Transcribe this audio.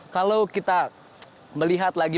kalau kita melihat lagi